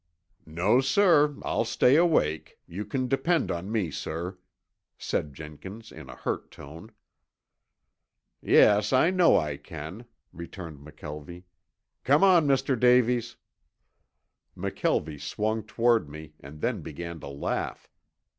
"No, sir. I'll stay awake. You can depend on me, sir," said Jenkins in a hurt tone. "Yes, I know I can," returned McKelvie. "Come on, Mr. Davies." McKelvie swung toward me and then began to laugh.